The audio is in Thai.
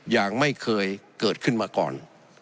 อย่างไม่เคยเกิดขึ้นมาก่อน